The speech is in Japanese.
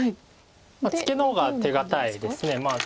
まあツケの方が手堅いです。